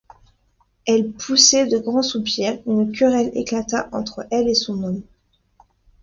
Elle poussait de grands soupirs, une querelle éclata entre elle et son homme.